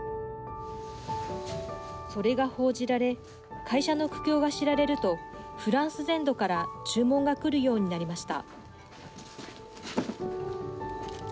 それが報じられ会社の苦境が知られるとフランス全土から注文が来るようになりました。